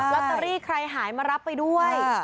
ตเตอรี่ใครหายมารับไปด้วย